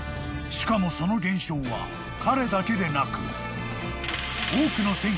［しかもその現象は彼だけでなく］